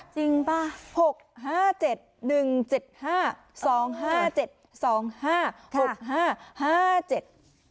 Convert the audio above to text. จริงป่ะหกห้าเจ็ดหนึ่งเจ็ดห้าสองห้าเจ็ดสองห้าหกห้าห้าเจ็ด